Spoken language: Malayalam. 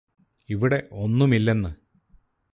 ഇവിടെ ഒന്നുമില്ലെന്ന്